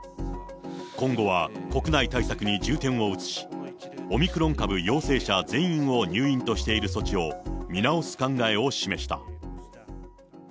今後は国内対策に重点を移し、オミクロン株陽性者全員を入院としている措置を見直す考えを示した。